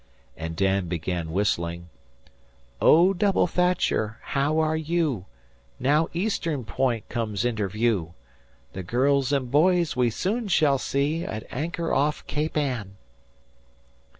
And Dan began whistling: "Oh, Double Thatcher, how are you? Now Eastern Point comes inter view. The girls an' boys we soon shall see, At anchor off Cape Ann!"